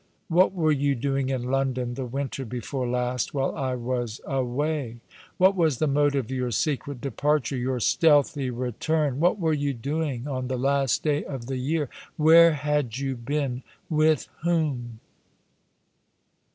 "What were you doing in London the winter before last, while I was away? What was the motive of your secret departure — your stealthy return? What were you doing on the last day of the year ? Where had you been ? With whom